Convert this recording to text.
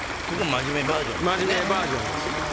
真面目バージョンです。